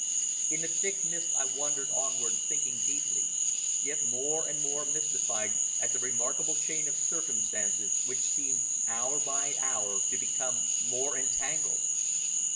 In the thick mist I wandered onward thinking deeply, yet more and more mystified at the remarkable chain of circumstances which seemed hour by hour to become more entangled.